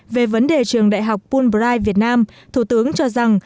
về vấn đề trường đại học pulbright việt nam thủ tướng cho rằng